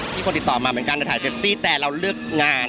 มีคนติดต่อมามีการจะถ่าเซ็บซี่แต่เราเลือกงาน